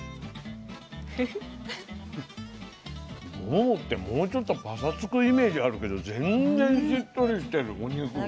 ももってもうちょっとパサつくイメージあるけど全然しっとりしてるお肉が。